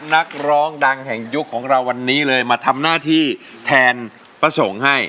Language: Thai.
นักร้องดังแห่งยุคของเราวันนี้เลยมาทำหน้าที่แทนพระสงฆ์ให้